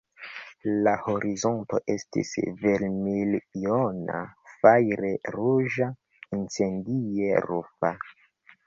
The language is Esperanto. La horizonto estis vermiljona, fajre-ruĝa, incendie-rufa.